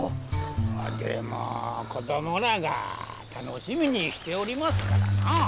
まあでも子供らが楽しみにしておりますからな。